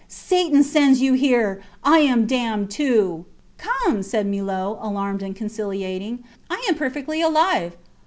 Satan sends you here. I am damned too! Come, said Millot, alarmed and conciliating. I am perfectly alive!